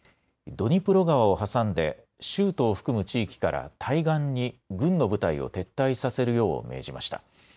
ドニプロ川を挟んで州都を含む地域から対岸に軍の部隊を撤退させるよう命じました。